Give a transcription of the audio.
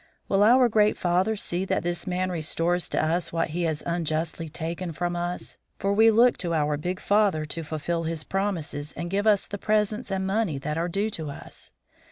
Will our great father see that this man restores to us what he has unjustly taken from us, for we look to our big father to fulfill his promises and give us the presents and money that are due to us.